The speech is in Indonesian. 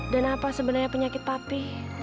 dan apa sebenarnya penyakit papi